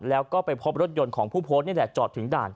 แล้วก็ไปพบรถยนต์ของผู้โพสต์นี่แหละจอดถึงด่าน